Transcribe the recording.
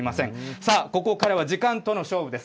さあ、ここからは時間との勝負です。